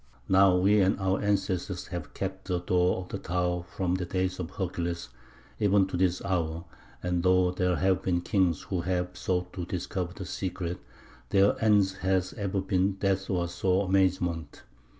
Now, we and our ancestors have kept the door of the tower from the days of Hercules even to this hour; and though there have been kings who have sought to discover the secret, their end has ever been death or sore amazement.